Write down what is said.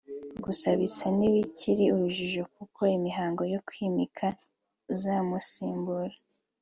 Gusa bisa n’ibikiri urujijo kuko imihango yo kwimika uzamusimbura